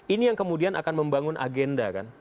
ini yang kemudian akan membangun agenda kan